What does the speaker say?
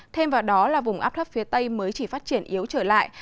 thêm vào đó là vùng áp thấp phía tây mới chỉ phát triển yếu trở lại